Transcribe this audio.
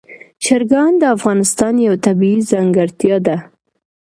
چرګان د افغانستان یوه طبیعي ځانګړتیا ده.